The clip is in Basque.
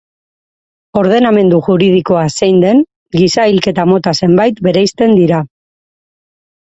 Ordenamendu juridikoa zein den, giza hilketa mota zenbait bereizten dira.